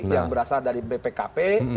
yang berasal dari bpkp